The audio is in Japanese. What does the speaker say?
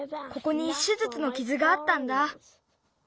ここに手じゅつのキズがあったんだ。